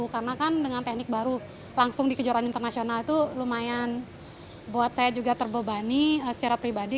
karena kan dengan teknik baru langsung di kejuaraan internasional itu lumayan buat saya juga terbebani secara pribadi